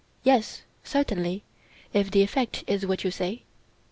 Yes, certainly, if the effect is what you say.